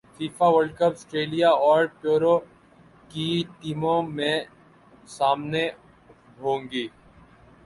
FIFA world cup سٹریلیا اور پیرو کی ٹیمیں منے سامنے ہوں گی